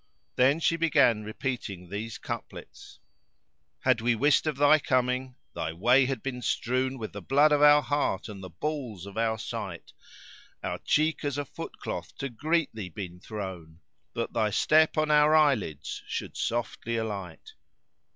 So she began repeating these couplets[FN#537]: "Had we wist of thy coming, thy way had been strown With the blood of our heart and the balls of our sight: Our cheek as a foot cloth to greet thee been thrown, That thy step on our eyelids should softly alight."